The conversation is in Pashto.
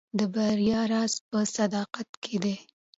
د بریا راز په صداقت کې دی.